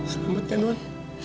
selamat ya non